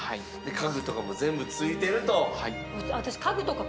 家具とかも全部付いてると。